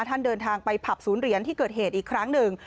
เดินทางไปผับศูนย์เหรียญที่เกิดเหตุอีกครั้งหนึ่ง